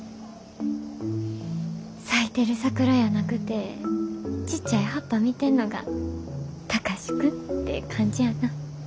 咲いてる桜やなくてちっちゃい葉っぱ見てんのが貴司君って感じやな。